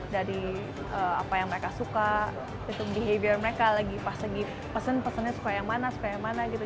dari apa yang mereka suka itu behavior mereka lagi pas lagi pesen pesennya suka yang mana suka yang mana gitu